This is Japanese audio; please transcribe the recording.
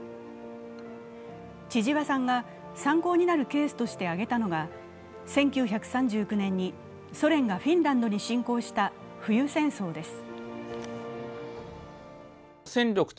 千々和さんが参考になるケースとして挙げたのが１９３９年にソ連がフィンランドに侵攻した冬戦争です。